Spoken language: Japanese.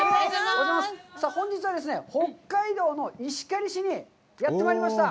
さあ、本日はですね、北海道の石狩市にやってまいりました。